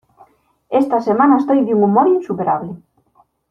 Esta semana estoy de un humor insuperable.